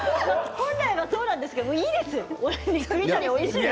本来はそうなんですがいいです、肉炒め。